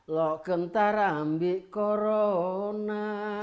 lokeng tarambik korona